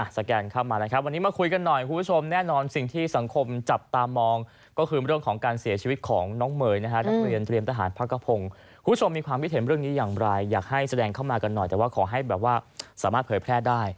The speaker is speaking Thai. แกนเข้ามานะครับวันนี้มาคุยกันหน่อยคุณผู้ชมแน่นอนสิ่งที่สังคมจับตามองก็คือเรื่องของการเสียชีวิตของน้องเมย์นะฮะนักเรียนเตรียมทหารพักกระพงศ์คุณผู้ชมมีความคิดเห็นเรื่องนี้อย่างไรอยากให้แสดงเข้ามากันหน่อยแต่ว่าขอให้แบบว่าสามารถเผยแพร่ได้